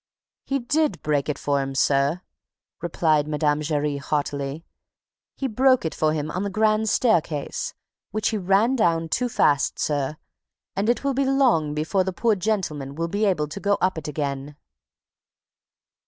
"He did break it for him, sir," replied Mme. Giry haughtily. "He broke it for him on the grand staircase, which he ran down too fast, sir, and it will be long before the poor gentleman will be able to go up it again!"